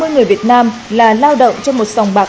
sáu mươi người việt nam là lao động trong một sòng bạc